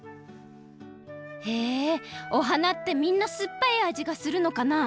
へえお花ってみんなすっぱいあじがするのかな？